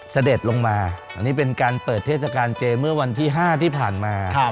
เสด็จลงมาอันนี้เป็นการเปิดเทศกาลเจเมื่อวันที่๕ที่ผ่านมา